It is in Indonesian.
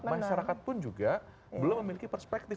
masyarakat pun juga belum memiliki perspektif